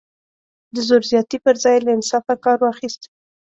د زور زیاتي پر ځای یې له انصاف کار واخیست.